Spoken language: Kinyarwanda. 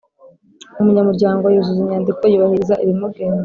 Umunyamuryango yuzuza inyandiko yubahiriza ibimugenga